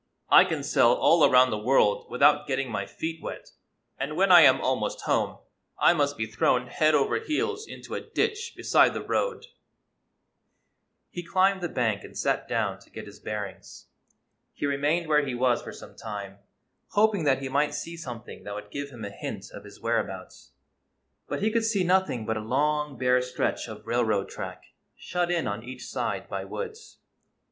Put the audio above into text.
I can sail all around the world 179 GYPSY, THE TALKING DOG without getting my feet wet, and when I am almost home I must be thrown head over heels into a ditch beside the road !" He climbed the bank and sat down to get his bearings. He remained where he was for some time, hoping that he might see something that would give him a hint of his whereabouts. But he could see nothing but a long, bare stretch of railroad track, shut in on each side by woods.